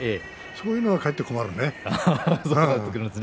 そういうのはかえって困るよね。